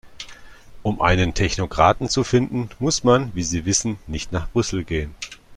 Um einen Technokraten zu finden, muss man, wie Sie wissen, nicht nach Brüssel gehen.